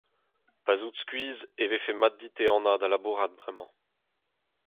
Pa'z out skuizh e vefe mat dit ehanañ da labourat bremañ.